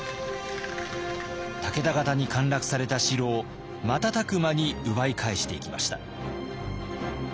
武田方に陥落された城を瞬く間に奪い返していきました。